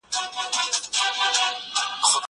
پاکوالی وکړه!!